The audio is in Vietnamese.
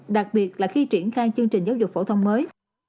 đặc biệt là khi triển khai chương trình giáo dục phổ thông mới